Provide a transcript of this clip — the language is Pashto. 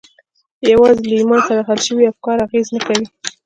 یوازې له ایمان سره حل شوي افکار اغېز نه کوي